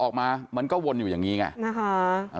ออกมามันก็วนอยู่อย่างนี้ไงนะคะ